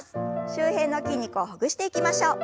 周辺の筋肉をほぐしていきましょう。